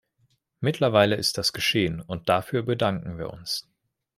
Mittlerweile ist das geschehen, und dafür bedanken wir uns.